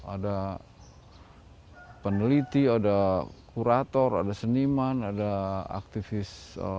ada peneliti ada kurator ada seniman ada aktivis